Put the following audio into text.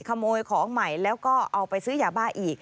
ขโมยของใหม่แล้วก็เอาไปซื้อยาบ้าอีก